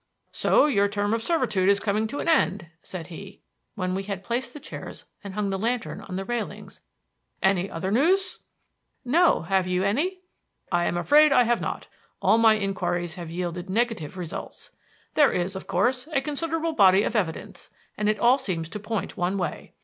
"So your term of servitude is coming to an end," said he, when we had placed the chairs and hung the lantern on the railings. "Any other news?" "No. Have you any?" "I am afraid I have not. All my inquiries have yielded negative results. There is, of course, a considerable body of evidence, and it all seems to point one way.